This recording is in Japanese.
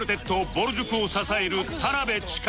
ぼる塾を支える田辺智加